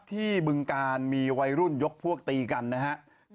ที่บึงการมีวัยรุ่นยกพวกตีกันนะฮะ